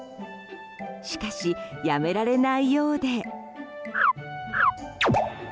しかし、やめられないようで。